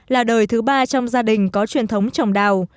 là đời thứ ba trong gia đình có truyền thống trồng đào